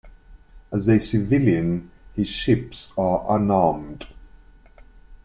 As a civilian, his ships are unarmed.